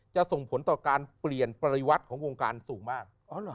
ส่งผลต่อการเปลี่ยนปริวัติของวงการสูงมาก